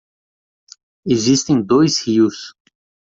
Existem dois rios